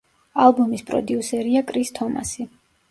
ალბომის პროდიუსერია კრის თომასი.